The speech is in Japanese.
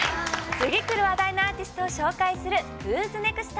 次くる話題のアーティストを紹介する「ＷＨＯ’ＳＮＥＸＴ！」。